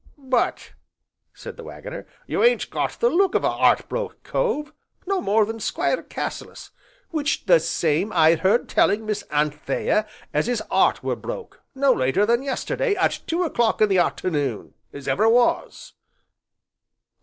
"But," said the Waggoner, "you ain't got the look of a 'eart broke cove, no more than Squire Cassilis, which the same I heard telling Miss Anthea as 'is 'eart were broke, no later than yesterday, at two o'clock in the arternoon, as ever was."